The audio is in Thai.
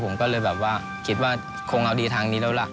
ผมก็เลยแบบว่าคิดว่าคงเอาดีทางนี้แล้วล่ะ